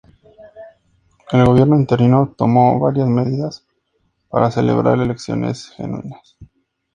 El gobierno interino tomó varias medidas para celebrar elecciones genuinas.